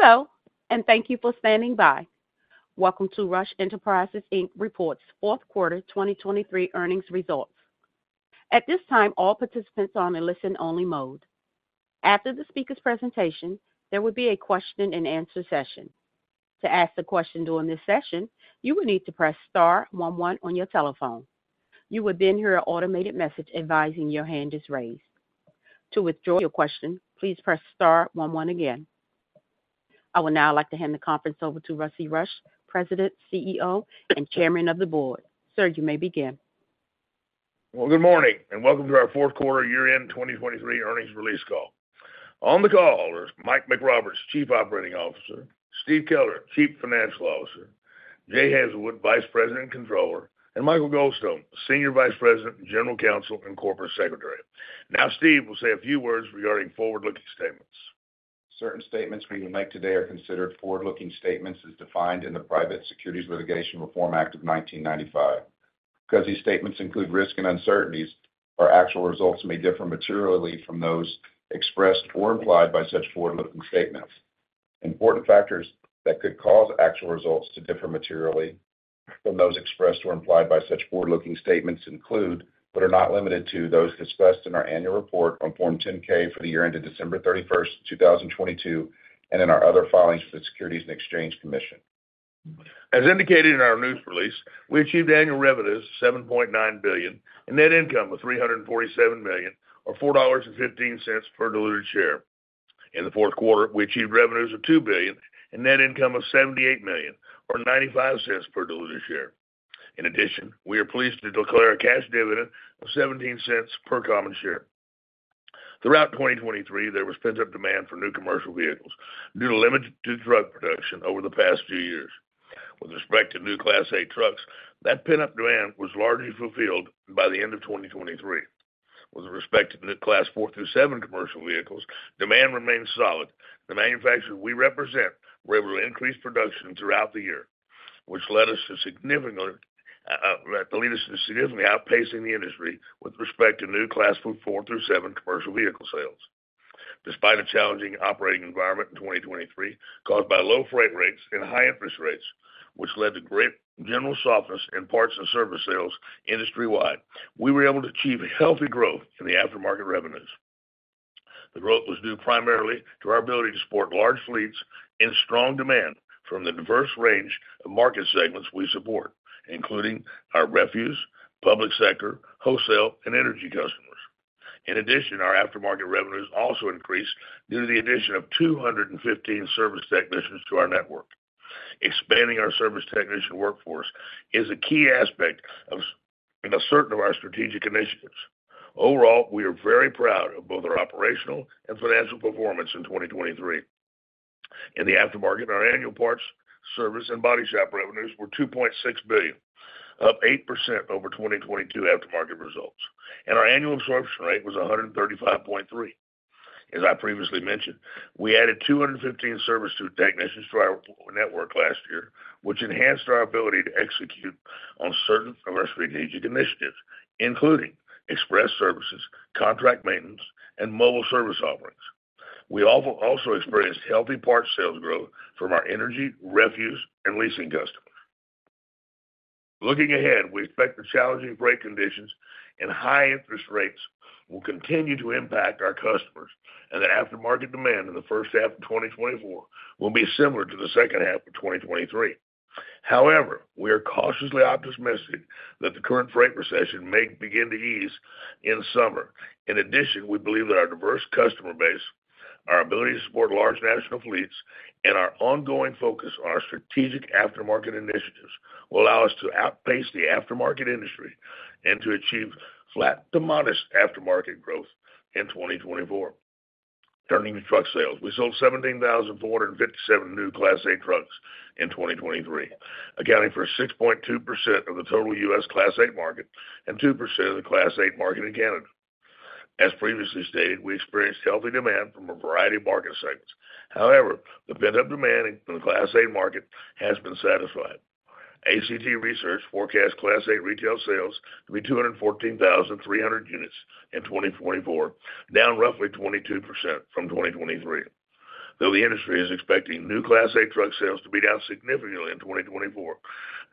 Hello, and thank you for standing by. Welcome to Rush Enterprises, Inc reports, fourth quarter 2023 earnings results. At this time, all participants are on a listen-only mode. After the speaker's presentation, there will be a question-and-answer session. To ask a question during this session, you will need to press star one one on your telephone. You will then hear an automated message advising your hand is raised. To withdraw your question, please press star one one again. I would now like to hand the conference over to Rusty Rush, President, CEO, and Chairman of the Board. Sir, you may begin. Well, good morning, and welcome to our fourth quarter year-end 2023 earnings release call. On the call is Mike McRoberts, Chief Operating Officer, Steve Keller, Chief Financial Officer, Jay Hazelwood, Vice President and Controller, and Michael Goldstone, Senior Vice President and General Counsel and Corporate Secretary. Now, Steve will say a few words regarding forward-looking statements. Certain statements we may make today are considered forward-looking statements as defined in the Private Securities Litigation Reform Act of 1995. Because these statements include risk and uncertainties, our actual results may differ materially from those expressed or implied by such forward-looking statements. Important factors that could cause actual results to differ materially from those expressed or implied by such forward-looking statements include, but are not limited to, those discussed in our annual report on Form 10-K for the year ended December 31st, 2022, and in our other filings with the Securities and Exchange Commission. As indicated in our news release, we achieved annual revenues of $7.9 billion and net income of $347 million, or $4.15 per diluted share. In the fourth quarter, we achieved revenues of $2 billion and net income of $78 million, or $0.95 per diluted share. In addition, we are pleased to declare a cash dividend of $0.17 per common share. Throughout 2023, there was pent-up demand for new commercial vehicles due to limited truck production over the past few years. With respect to new Class 8 trucks, that pent-up demand was largely fulfilled by the end of 2023. With respect to the Class 4 through 7 commercial vehicles, demand remains solid. The manufacturers we represent were able to increase production throughout the year, which led us to significantly outpacing the industry with respect to new Class 4 through 7 commercial vehicle sales. Despite a challenging operating environment in 2023, caused by low freight rates and high interest rates, which led to great general softness in parts and service sales industry-wide, we were able to achieve healthy growth in the aftermarket revenues. The growth was due primarily to our ability to support large fleets and strong demand from the diverse range of market segments we support, including our refuse, public sector, wholesale, and energy customers. In addition, our aftermarket revenues also increased due to the addition of 215 service technicians to our network. Expanding our service technician workforce is a key aspect of, and a center of our strategic initiatives. Overall, we are very proud of both our operational and financial performance in 2023. In the aftermarket, our annual parts, service, and body shop revenues were $2.6 billion, up 8% over 2022 aftermarket results, and our annual absorption rate was 135.3%. As I previously mentioned, we added 215 service technicians to our network last year, which enhanced our ability to execute on certain of our strategic initiatives, including express services, contract maintenance, and mobile service offerings. We also experienced healthy parts sales growth from our energy, refuse, and leasing customers. Looking ahead, we expect the challenging freight conditions and high interest rates will continue to impact our customers, and that aftermarket demand in the first half of 2024 will be similar to the second half of 2023. However, we are cautiously optimistic that the current freight recession may begin to ease in summer. In addition, we believe that our diverse customer base, our ability to support large national fleets, and our ongoing focus on our strategic aftermarket initiatives will allow us to outpace the aftermarket industry and to achieve flat to modest aftermarket growth in 2024. Turning to truck sales, we sold 17,457 new Class 8 trucks in 2023, accounting for 6.2% of the total U.S. Class 8 market and 2% of the Class 8 market in Canada. As previously stated, we experienced healthy demand from a variety of market segments. However, the pent-up demand in the Class 8 market has been satisfied. ACT Research forecasts Class 8 retail sales to be 214,300 units in 2024, down roughly 22% from 2023. Though the industry is expecting new Class 8 truck sales to be down significantly in 2024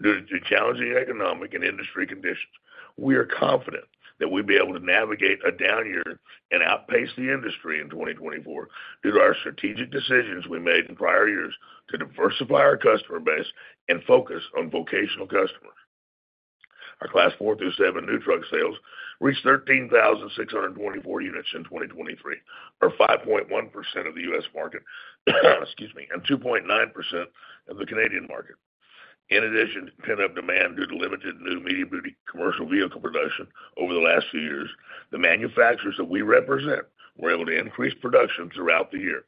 due to challenging economic and industry conditions, we are confident that we'll be able to navigate a down year and outpace the industry in 2024 due to our strategic decisions we made in prior years to diversify our customer base and focus on vocational customers. Our Class 4 through 7 new truck sales reached 13,644 units in 2023, or 5.1% of the U.S. market, excuse me, and 2.9% of the Canadian market. In addition to pent-up demand due to limited new medium commercial vehicle production over the last few years, the manufacturers that we represent were able to increase production throughout the year.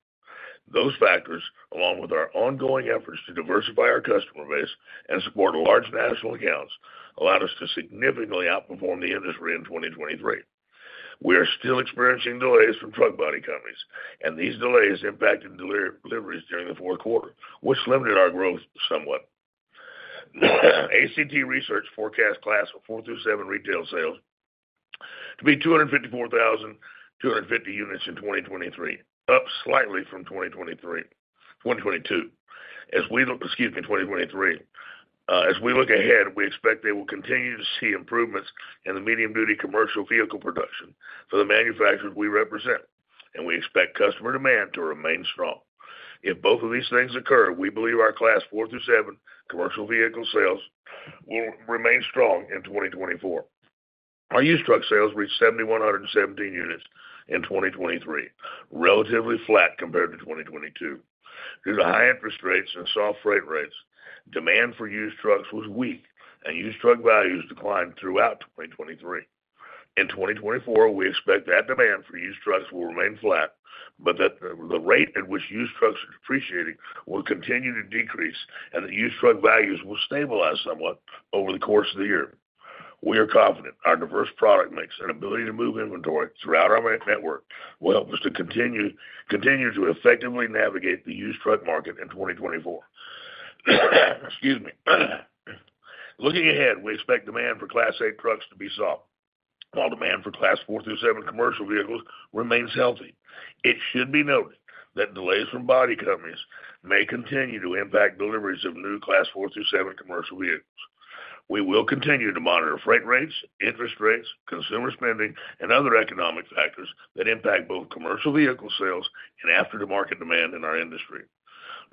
Those factors, along with our ongoing efforts to diversify our customer base and support large national accounts, allowed us to significantly outperform the industry in 2023. We are still experiencing delays from truck body companies, and these delays impacted deliveries during the fourth quarter, which limited our growth somewhat. ACT Research forecast Class 4 through 7 retail sales to be 254,250 units in 2023, up slightly from 2023, 2022. As we look, excuse me, 2023. As we look ahead, we expect they will continue to see improvements in the medium-duty commercial vehicle production for the manufacturers we represent, and we expect customer demand to remain strong. If both of these things occur, we believe our Class 4 through 7 commercial vehicle sales will remain strong in 2024. Our used truck sales reached 7,117 units in 2023, relatively flat compared to 2022. Due to high interest rates and soft freight rates, demand for used trucks was weak, and used truck values declined throughout 2023. In 2024, we expect that demand for used trucks will remain flat, but that the rate at which used trucks are depreciating will continue to decrease, and that used truck values will stabilize somewhat over the course of the year. We are confident our diverse product mix and ability to move inventory throughout our network will help us to continue to effectively navigate the used truck market in 2024. Excuse me. Looking ahead, we expect demand for Class 8 trucks to be soft, while demand for Class 4 through 7 commercial vehicles remains healthy. It should be noted that delays from body companies may continue to impact deliveries of new Class 4 through 7 commercial vehicles. We will continue to monitor freight rates, interest rates, consumer spending, and other economic factors that impact both commercial vehicle sales and aftermarket demand in our industry.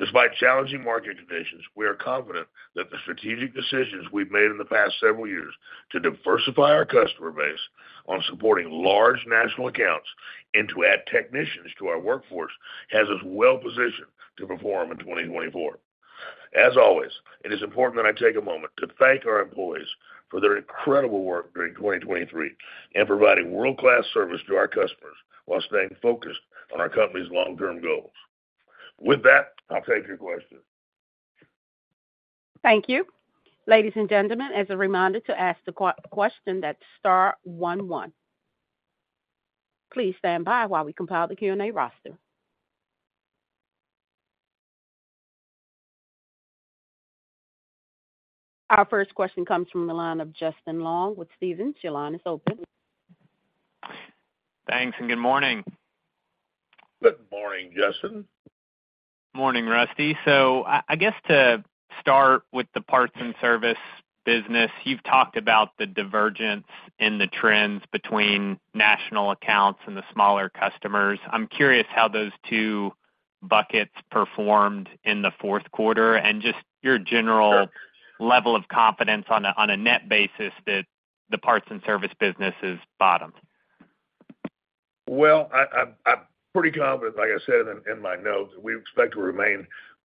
Despite challenging market conditions, we are confident that the strategic decisions we've made in the past several years to diversify our customer base on supporting large national accounts and to add technicians to our workforce, has us well positioned to perform in 2024. As always, it is important that I take a moment to thank our employees for their incredible work during 2023, and providing world-class service to our customers while staying focused on our company's long-term goals. With that, I'll take your questions. Thank you. Ladies and gentlemen, as a reminder to ask the question, that's star one one. Please stand by while we compile the Q&A roster. Our first question comes from the line of Justin Long with Stephens. Your line is open. Thanks, and good morning. Good morning, Justin. Morning, Rusty. So I, I guess to start with the parts and service business, you've talked about the divergence in the trends between national accounts and the smaller customers. I'm curious how those two buckets performed in the fourth quarter and just your general- Sure. -level of confidence on a net basis that the parts and service business is bottomed. Well, I'm pretty confident, like I said in my notes, we expect to remain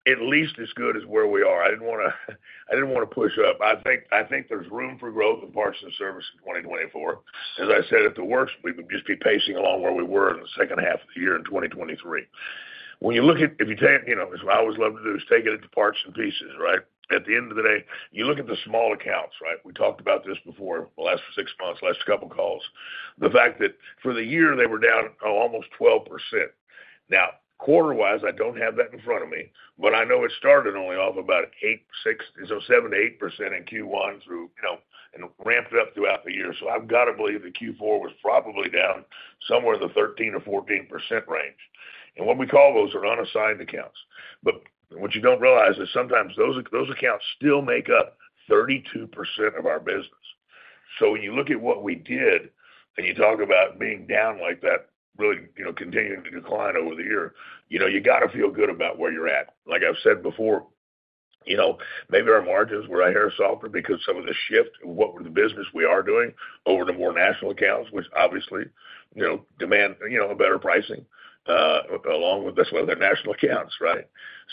at least as good as where we are. I didn't want to push up. I think there's room for growth in parts and service in 2024. As I said, at the worst, we would just be pacing along where we were in the second half of the year in 2023. When you look at... If you take, you know, that's what I always love to do, is take it into parts and pieces, right? At the end of the day, you look at the small accounts, right? We talked about this before, the last six months, last couple of calls. The fact that for the year, they were down almost 12%. Now, quarter-wise, I don't have that in front of me, but I know it started only off about 8%, 6%, so 7%-8% in Q1 through, you know, and ramped up throughout the year. So I've got to believe that Q4 was probably down somewhere in the 13%-14% range. And what we call those are unassigned accounts. But what you don't realize is sometimes those, those accounts still make up 32% of our business. So when you look at what we did and you talk about being down like that, really, you know, continuing to decline over the year, you know, you got to feel good about where you're at. Like I've said before, you know, maybe our margins were a hair softer because some of the shift in what were the business we are doing over to more national accounts, which obviously, you know, demand, you know, a better pricing, along with... That's why they're national accounts, right?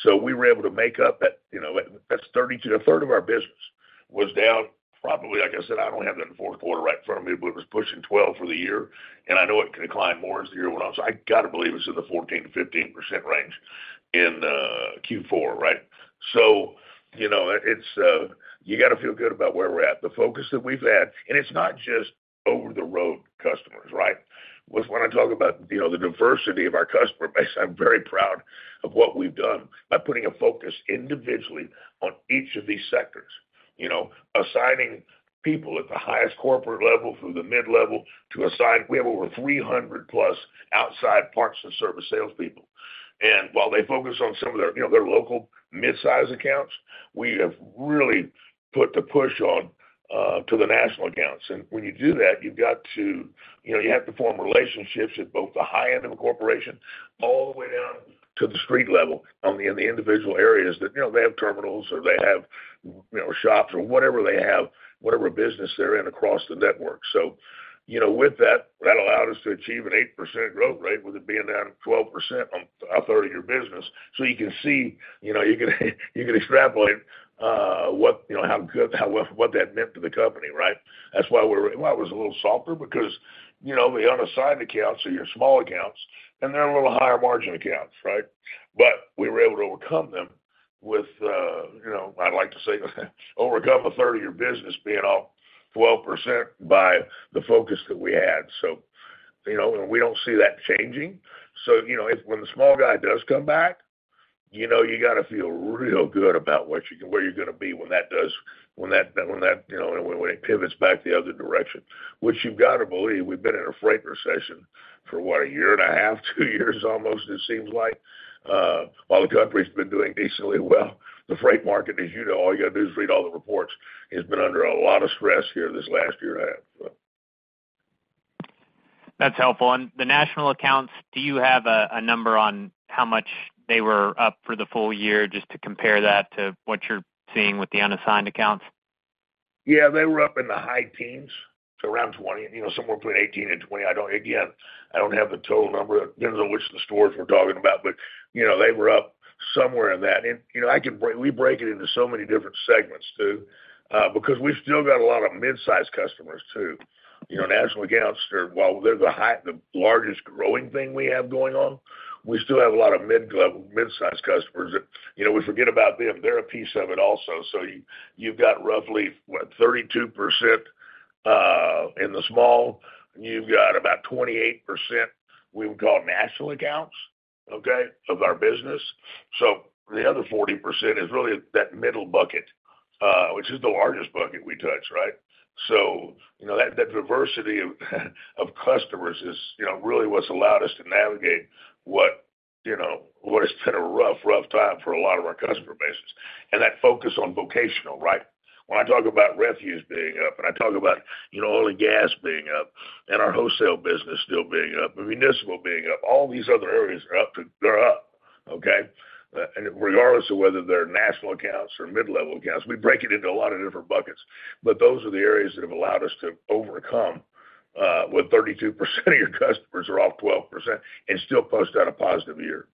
So we were able to make up that, you know, that's 32 1/3 of our business was down, probably, like I said, I don't have that in the fourth quarter right in front of me, but it was pushing 12 for the year, and I know it can decline more as the year went on. So I got to believe it's in the 14%-15% range in Q4, right? So, you know, it's, you got to feel good about where we're at, the focus that we've had. And it's not just over-the-road customers, right? When I talk about, you know, the diversity of our customer base, I'm very proud of what we've done by putting a focus individually on each of these sectors. You know, assigning people at the highest corporate level through the mid-level to assign, we have over 300+ outside parts and service salespeople. While they focus on some of their, you know, their local midsize accounts, we have really put the push on to the national accounts. When you do that, you've got to, you know, you have to form relationships at both the high end of a corporation all the way down to the street level on the, in the individual areas that, you know, they have terminals or they have, you know, shops or whatever they have, whatever business they're in across the network. So, you know, with that, that allowed us to achieve an 8% growth rate, with it being down 12% on a third of your business. So you can see, you know, you can, you can extrapolate, what, you know, how good, how well, what that meant to the company, right? That's why we're, why it was a little softer, because, you know, the unassigned accounts are your small accounts, and they're a little higher margin accounts, right? But we were able to overcome them with, you know, I'd like to say, overcome a third of your business being off 12% by the focus that we had. So, you know, and we don't see that changing. So, you know, if when the small guy does come back, you know, you got to feel real good about what you, where you're going to be when that, you know, when it pivots back the other direction. Which you've got to believe, we've been in a Freight recession for what? A year and a half, 2 years almost, it seems like. While the country's been doing decently well, the freight market, as you know, all you got to do is read all the reports, has been under a lot of stress here this last year and a half. That's helpful. And the national accounts, do you have a number on how much they were up for the full year, just to compare that to what you're seeing with the unassigned accounts? Yeah, they were up in the high teens, so around 20%, you know, somewhere between 18% and 20%. I don't... Again, I don't have the total number, depends on which of the stores we're talking about, but, you know, they were up somewhere in that. And, you know, we break it into so many different segments, too, because we've still got a lot of mid-sized customers, too. You know, national accounts are, while they're the largest growing thing we have going on, we still have a lot of mid-level, mid-sized customers that, you know, we forget about them. They're a piece of it also. So you've got roughly, what, 32% in the small, and you've got about 28%, we would call national accounts, okay, of our business. So the other 40% is really that middle bucket, which is the largest bucket we touch, right? So, you know, that, that diversity of, of customers is, you know, really what's allowed us to navigate what, you know, what has been a rough, rough time for a lot of our customer bases. And that focus on vocational, right? When I talk about refuse being up, and I talk about, you know, oil and gas being up, and our wholesale business still being up, and municipal being up, all these other areas are up, they're up, okay? And regardless of whether they're national accounts or mid-level accounts, we break it into a lot of different buckets, but those are the areas that have allowed us to overcome, when 32% of your customers are off 12% and still post out a positive year.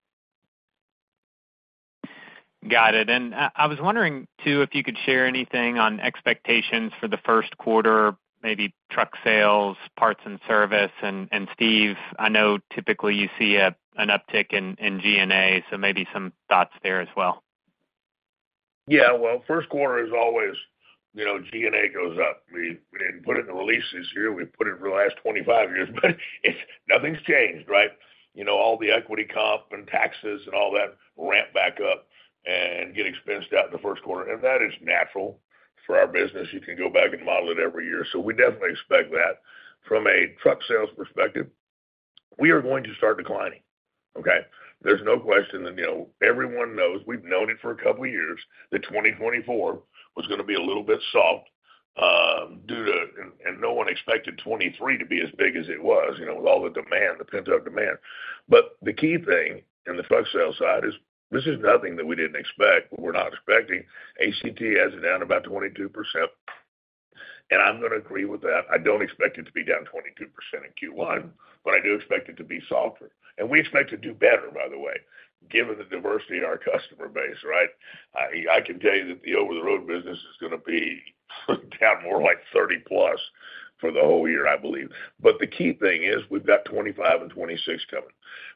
Got it. And I was wondering, too, if you could share anything on expectations for the first quarter, maybe truck sales, parts and service. And Steve, I know typically you see an uptick in G&A, so maybe some thoughts there as well. Yeah, well, first quarter is always, you know, G&A goes up. We didn't put it in the releases this year. We put it in for the last 25 years, but it's nothing's changed, right? You know, all the equity comp and taxes and all that ramp back up and get expensed out in the first quarter, and that is natural for our business. You can go back and model it every year. So we definitely expect that. From a truck sales perspective, we are going to start declining, okay? There's no question, and, you know, everyone knows, we've known it for a couple of years, that 2024 was going to be a little bit soft, due to and no one expected 2023 to be as big as it was, you know, with all the demand, the pent-up demand. But the key thing in the truck sales side is, this is nothing that we didn't expect, but we're not expecting. ACT has it down about 22%, and I'm going to agree with that. I don't expect it to be down 22% in Q1, but I do expect it to be softer. And we expect to do better, by the way, given the diversity in our customer base, right? I, I can tell you that the over-the-road business is going to be, down more like 30+ for the whole year, I believe. But the key thing is, we've got 2025 and 2026 coming.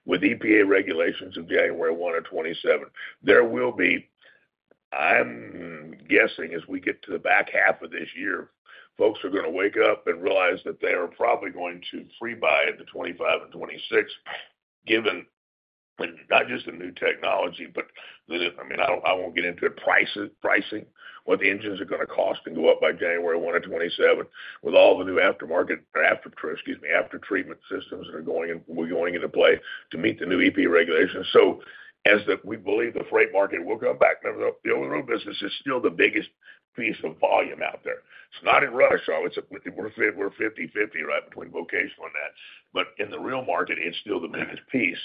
With EPA regulations of January 1, 2027, there will be, I'm guessing as we get to the back half of this year, folks are going to wake up and realize that they are probably going to pre-buy into 2025 and 2026, given not just the new technology, but the... I mean, I don't, I won't get into it, pricing, what the engines are going to cost and go up by January 1, 2027, with all the new after-treatment systems that are going into play to meet the new EPA regulations. So we believe the freight market will come back. Remember, the over-the-road business is still the biggest piece of volume out there. It's not in Rush. Our, we're 50/50, right, between vocational and that. But in the real market, it's still the biggest piece.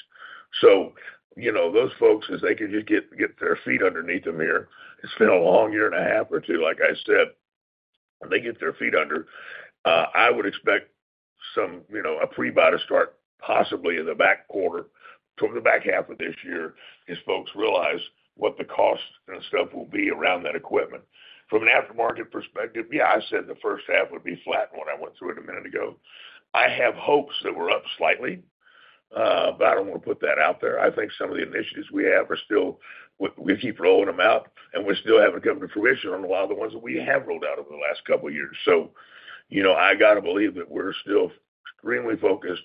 So, you know, those folks, as they can just get their feet underneath them here, it's been a long year and a half or two, like I said, when they get their feet under, I would expect some, you know, a pre-buy to start possibly in the back quarter, toward the back half of this year, as folks realize what the cost and stuff will be around that equipment. From an aftermarket perspective, yeah, I said the first half would be flat when I went through it a minute ago. I have hopes that we're up slightly, but I don't want to put that out there. I think some of the initiatives we have are still... We keep rolling them out, and we still haven't come to fruition on a lot of the ones that we have rolled out over the last couple of years. So, you know, I got to believe that we're still extremely focused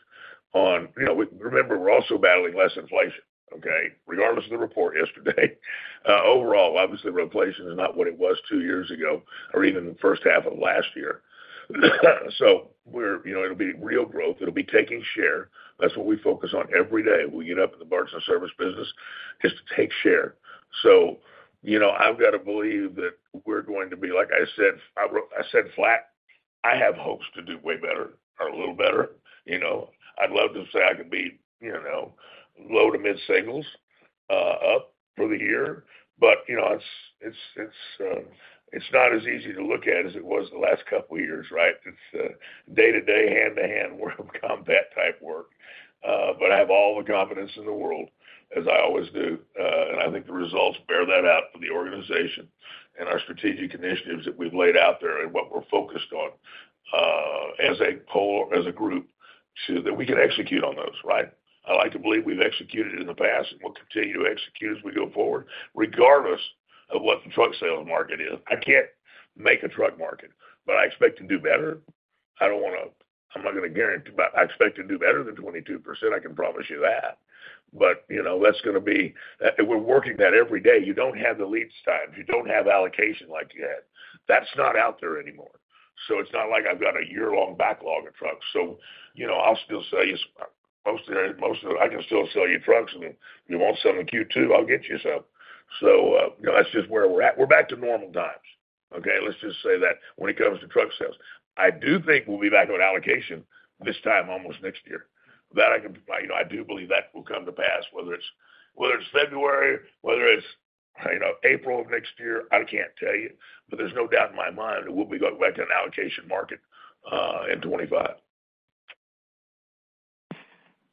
on... You know, we- remember, we're also battling less inflation, okay? Regardless of the report yesterday, overall, obviously, the inflation is not what it was two years ago or even the first half of last year. So we're, you know, it'll be real growth, it'll be taking share. That's what we focus on every day. We get up in the parts and service business, is to take share. So, you know, I've got to believe that we're going to be, like I said, I wrote-- I said flat. I have hopes to do way better or a little better. You know, I'd love to say I could be, you know, low to mid singles up for the year, but, you know, it's not as easy to look at as it was the last couple of years, right? It's day-to-day, hand-to-hand, world combat type work. But I have all the confidence in the world, as I always do, and I think the results bear that out for the organization and our strategic initiatives that we've laid out there and what we're focused on, as a whole, as a group, to that we can execute on those, right? I like to believe we've executed in the past and will continue to execute as we go forward, regardless of what the truck sales market is. I can't make a truck market, but I expect to do better. I don't want to. I'm not going to guarantee, but I expect to do better than 22%, I can promise you that. But, you know, that's gonna be, we're working that every day. You don't have the lead time, you don't have allocation like you had. That's not out there anymore. So it's not like I've got a year-long backlog of trucks. So, you know, I'll still sell you most of the, most of it, I can still sell you trucks. I mean, if you want some in Q2, I'll get you some. So, you know, that's just where we're at. We're back to normal times, okay? Let's just say that when it comes to truck sales. I do think we'll be back on allocation this time almost next year. That I can, you know, I do believe that will come to pass, whether it's, whether it's February, whether it's, you know, April of next year, I can't tell you, but there's no doubt in my mind that we'll be going back to an allocation market in 2025.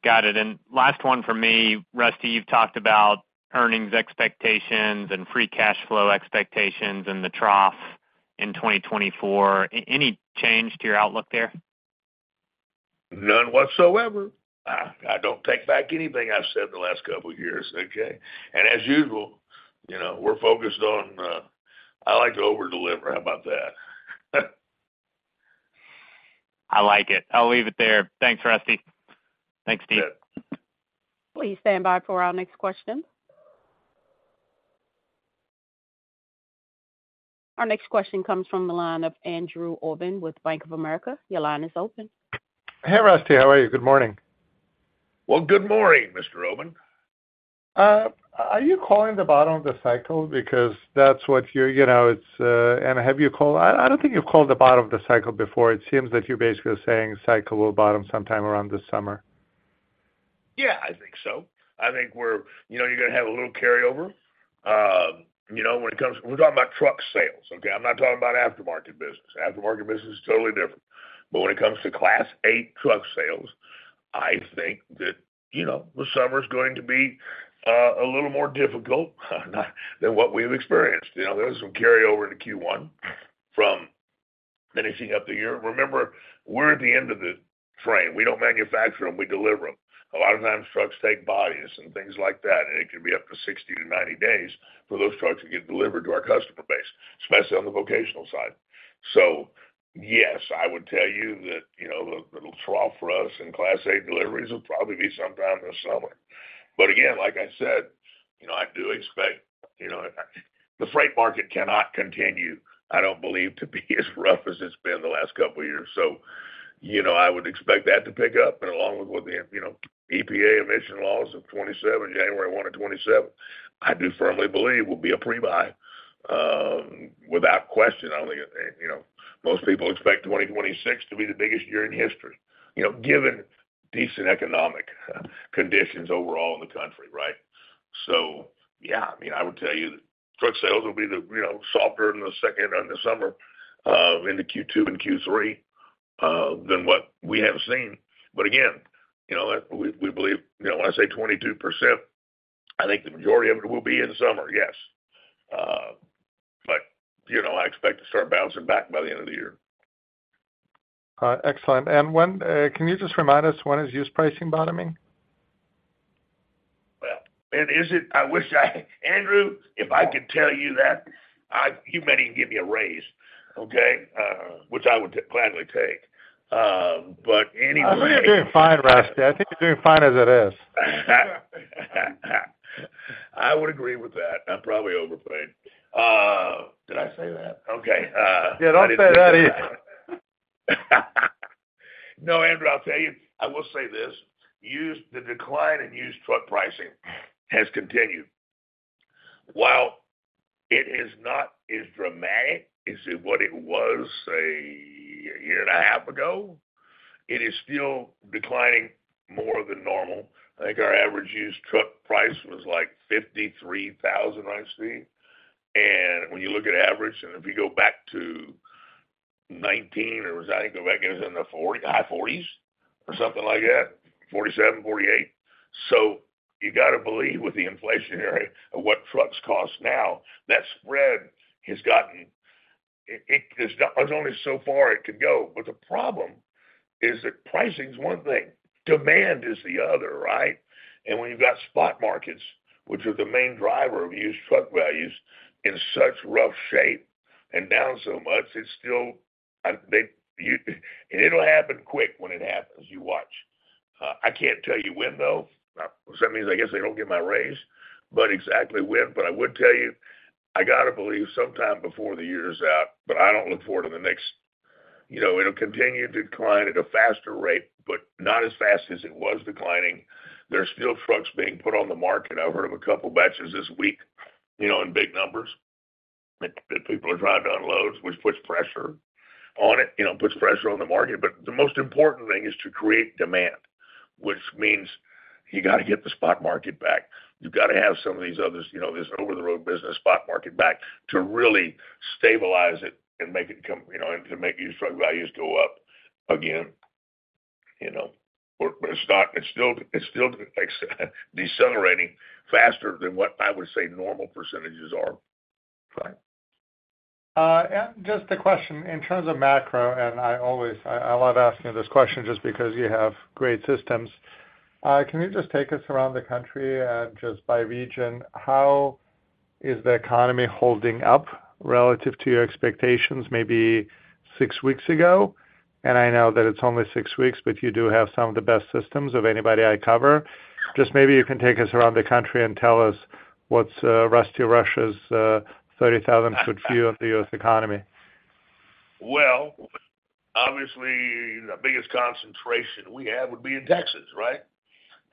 Got it. And last one for me, Rusty. You've talked about earnings expectations and free cash flow expectations and the trough in 2024. Any change to your outlook there? None whatsoever. I don't take back anything I've said in the last couple of years, okay? As usual, you know, we're focused on, I like to overdeliver. How about that? I like it. I'll leave it there. Thanks, Rusty. Thanks, Steve. Good. Please stand by for our next question. Our next question comes from the line of Andrew Obin with Bank of America. Your line is open. Hey, Rusty, how are you? Good morning. Well, good morning, Mr. Obin. Are you calling the bottom of the cycle? Because that's what you're—you know, it's, and have you called—I don't think you've called the bottom of the cycle before. It seems that you're basically saying cycle will bottom sometime around this summer. Yeah, I think so. I think we're, you know, you're gonna have a little carryover, you know, when it comes, we're talking about truck sales, okay? I'm not talking about aftermarket business. Aftermarket business is totally different. But when it comes to Class 8 truck sales, I think that, you know, the summer's going to be a little more difficult than what we've experienced. You know, there was some carryover to Q1 from finishing up the year. Remember, we're at the end of the frame. We don't manufacture them; we deliver them. A lot of times trucks take bodies and things like that, and it can be up to 60-90 days for those trucks to get delivered to our customer base, especially on the vocational side. So yes, I would tell you that, you know, the, the trough for us in Class 8 deliveries will probably be sometime this summer. But again, like I said, you know, I do expect, you know, the freight market cannot continue, I don't believe, to be as rough as it's been the last couple of years. So, you know, I would expect that to pick up and along with the, you know, EPA emission laws of 2027, January 1 of 2027, I do firmly believe will be a pre-buy, without question. I think, you know, most people expect 2026 to be the biggest year in history, you know, given decent economic conditions overall in the country, right? Yeah, I mean, I would tell you that truck sales will be, you know, softer in the second and the summer into Q2 and Q3 than what we have seen. But again, you know, we believe, you know, when I say 22%, I think the majority of it will be in the summer, yes. But, you know, I expect to start bouncing back by the end of the year. Excellent. And when can you just remind us, when is used pricing bottoming? Well, it isn't... I wish I Andrew, if I could tell you that, you better even give me a raise, okay? Which I would gladly take. But anyway. I think you're doing fine, Rusty. I think you're doing fine as it is. I would agree with that. I'm probably overpaid. Did I say that? Okay. Yeah, don't say that either. No, Andrew, I'll tell you, I will say this, used—the decline in used truck pricing has continued. While it is not as dramatic as what it was, say, a year and a half ago, it is still declining more than normal. I think our average used truck price was, like, $53,000, I see. And when you look at average, and if you go back to 2019, or was, I think the record is in the 40s high 40s or something like that, 47, 48. So you got to believe with the inflationary of what trucks cost now, that spread has gotten... It, it, there's only so far it could go, but the problem is that pricing is one thing, demand is the other, right? When you've got spot markets, which are the main driver of used truck values, in such rough shape and down so much, it's still. It'll happen quick when it happens, you watch. I can't tell you when, though. So that means, I guess, I don't get my raise, but exactly when. But I would tell you, I got to believe sometime before the year is out, but I don't look for it in the next., you know, it'll continue to decline at a faster rate, but not as fast as it was declining. There are still trucks being put on the market. I've heard of a couple of batches this week, you know, in big numbers, that people are trying to unload, which puts pressure on it, you know, puts pressure on the market. But the most important thing is to create demand, which means you got to get the spot market back. You've got to have some of these others, you know, this over-the-road business spot market back to really stabilize it and make it come, you know, and to make used truck values go up again, you know. But it's not. It's still decelerating faster than what I would say normal percentages are. Right. And just a question, in terms of macro, and I always, I love asking you this question just because you have great systems. Can you just take us around the country and just by region, is the economy holding up relative to your expectations maybe six weeks ago? And I know that it's only six weeks, but you do have some of the best systems of anybody I cover. Just maybe you can take us around the country and tell us what's Rusty Rush's 30,000 ft view of the U.S. economy. Well, obviously, the biggest concentration we have would be in Texas, right?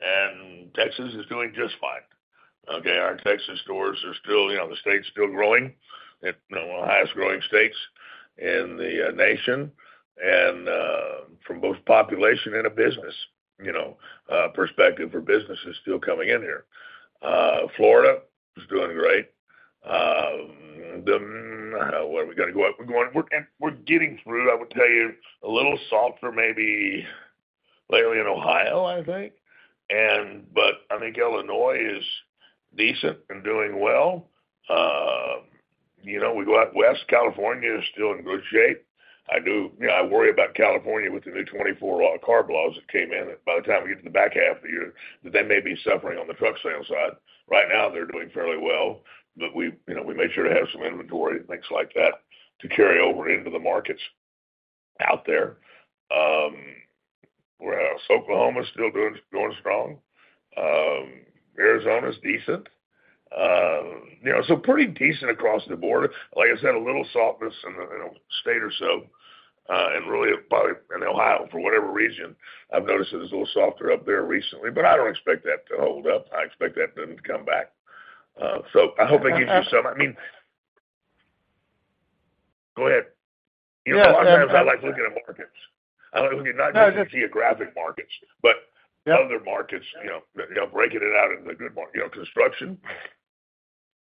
And Texas is doing just fine. Okay, our Texas stores are still, you know, the state's still growing. It, you know, one of the highest growing states in the, nation, and, from both population and a business, you know, perspective for business is still coming in here. Florida is doing great. Then, where are we gonna go up? We're going, we're, and we're getting through, I would tell you, a little softer, maybe lately in Ohio, I think. And, but I think Illinois is decent and doing well. You know, we go out west, California is still in good shape. I do, you know, I worry about California with the new 2024 CARB laws that came in, and by the time we get to the back half of the year, that they may be suffering on the truck sales side. Right now, they're doing fairly well, but we, you know, we make sure to have some inventory and things like that to carry over into the markets out there. Where else? Oklahoma is still doing, doing strong. Arizona is decent. You know, so pretty decent across the board. Like I said, a little softness in a state or so, and really, probably in Ohio, for whatever reason. I've noticed it was a little softer up there recently, but I don't expect that to hold up. I expect that them to come back. So I hope that gives you some... I mean, go ahead. Yeah. You know, a lot of times I like looking at markets. I like looking not just geographic markets, but- Yeah. Other markets, you know, breaking it out into the good market. You know, construction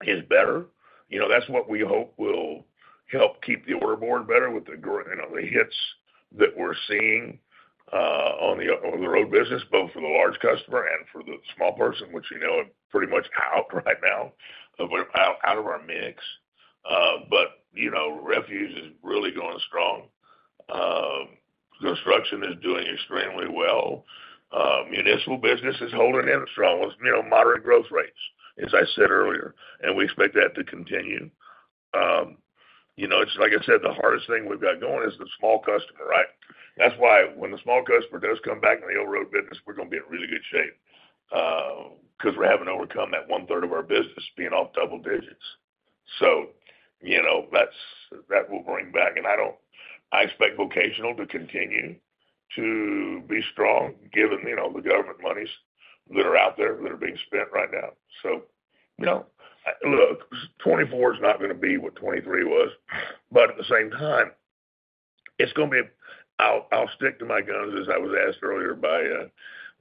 is better. You know, that's what we hope will help keep the aftermarket better with the—you know, the hits that we're seeing on the road business, both for the large customer and for the small person, which, you know, are pretty much out right now, out of our mix. But, you know, refuse is really going strong. Construction is doing extremely well. Municipal business is holding in strong, you know, moderate growth rates, as I said earlier, and we expect that to continue. You know, it's like I said, the hardest thing we've got going is the small customer, right? That's why when the small customer does come back in the over-the-road business, we're gonna be in really good shape, because we're having to overcome that one-third of our business being off double digits. So, you know, that's, that will bring back, and I don't, I expect vocational to continue to be strong, given, you know, the government monies that are out there that are being spent right now. So, you know, look, 2024 is not gonna be what 2023 was, but at the same time, it's gonna be... I'll, I'll stick to my guns, as I was asked earlier by,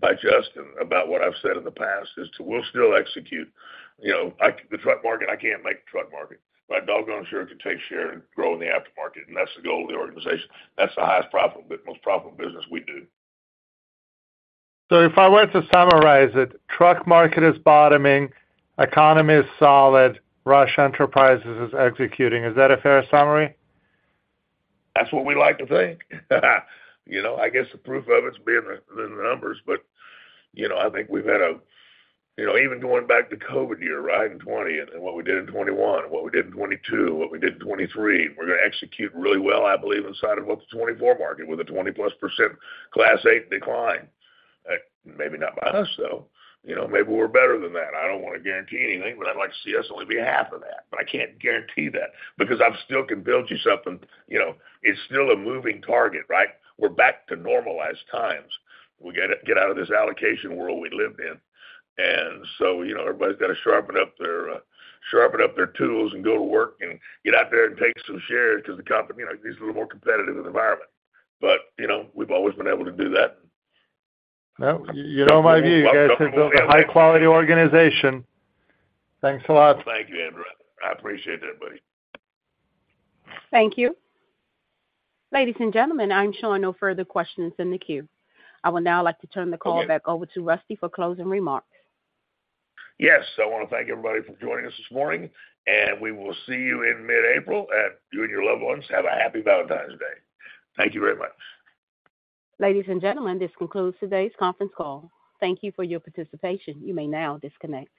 by Justin, about what I've said in the past, is to we'll still execute. You know, I, the truck market, I can't make the truck market, but I doggone sure can take share and grow in the aftermarket, and that's the goal of the organization. That's the highest profit, but most profitable business we do. So if I were to summarize it, truck market is bottoming, economy is solid, Rush Enterprises is executing. Is that a fair summary? That's what we like to think. You know, I guess the proof of it's been in the numbers, but, you know, I think we've had a, you know, even going back to COVID year, right, in 2020, and what we did in 2021, and what we did in 2022, what we did in 2023, we're gonna execute really well, I believe, inside of what the 2024 market, with a 20%+ Class 8 decline. Maybe not by us, though. You know, maybe we're better than that. I don't want to guarantee anything, but I'd like to see us only be half of that. But I can't guarantee that because I still can build you something, you know, it's still a moving target, right? We're back to normalized times. We gotta get out of this allocation world we lived in. So, you know, everybody's got to sharpen up their tools and go to work and get out there and take some shares because the company, you know, needs a little more competitive environment. But, you know, we've always been able to do that. Well, you know, my view, you guys have built a high-quality organization. Thanks a lot. Thank you, Andrew. I appreciate that, buddy. Thank you. Ladies and gentlemen, I'm showing no further questions in the queue. I would now like to turn the call back over to Rusty for closing remarks. Yes, I want to thank everybody for joining us this morning, and we will see you in mid-April. You and your loved ones, have a happy Valentine's Day. Thank you very much. Ladies and gentlemen, this concludes today's conference call. Thank you for your participation. You may now disconnect.